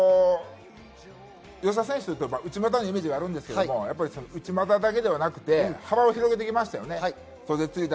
内股のイメージがありますけれど、内股だけではなくて幅を広げてきましたよね。